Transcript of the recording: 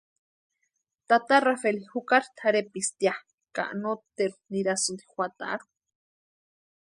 Tata Rafeli jukari tʼarhepisti ya ka noteru nirasïnti juatarhu.